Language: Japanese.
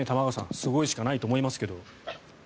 すごいしかないと思いますけど。